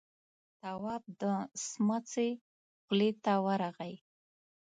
تواب د سمڅې خولې ته ورغی.